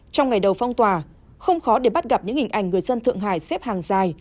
trong ngày đầu phong tỏa không khó để bắt gặp những hình ảnh người dân thượng hải xếp hàng dài